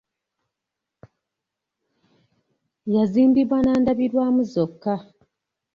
Yazimbibwa na ndabirwamu zokka.